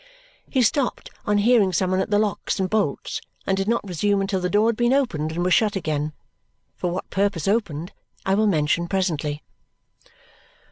He stopped on hearing some one at the locks and bolts and did not resume until the door had been opened and was shut again. For what purpose opened, I will mention presently.